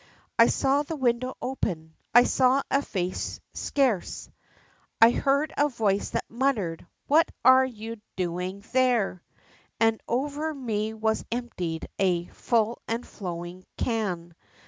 I saw the window open, I saw a face to scarce! I heard a voice that muttered "What are ye doin' there?" And over me was emptied a full and flowing can!